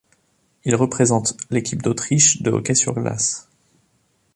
Il représente l'équipe d'Autriche de hockey sur glace.